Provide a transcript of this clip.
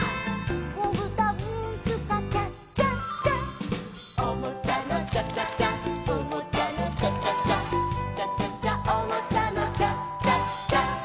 「こぶたブースカチャチャチャ」「おもちゃのチャチャチャおもちゃのチャチャチャ」「チャチャチャおもちゃのチャチャチャ」